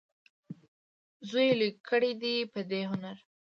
زوی یې لوی کړی دی په دې هنر.